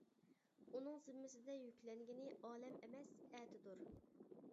ئۇنىڭ زىممىسىدە يۈكلەنگىنى ئالەم ئەمەس، ئەتىدۇر.